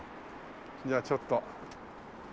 じゃあちょっと。